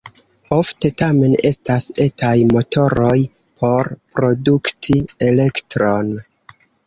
Ofte tamen estas etaj motoroj por produkti elektron.